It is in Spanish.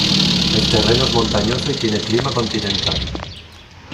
El terreno es montañoso y tiene clima continental.